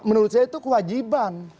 menurut saya itu kewajiban